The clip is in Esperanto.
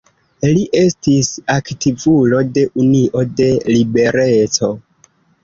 Li estis aktivulo de Unio de Libereco.